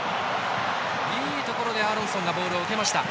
いいところでアーロンソンがボールを受けました。